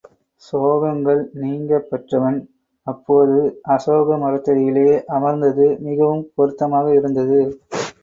சோகங்கள் நீங்கப் பெற்றவன் அப்போது அசோக மரத்தடியிலே அமர்ந்தது மிகவும் பொருத்தமாக இருந்தது.